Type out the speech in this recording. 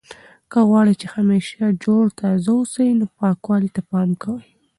که غواړئ چې همیشه جوړ تازه اوسئ نو پاکوالي ته پام کوئ.